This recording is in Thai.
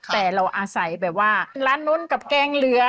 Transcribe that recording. แต่เราอาศัยแบบว่าร้านนู้นกับแกงเหลือ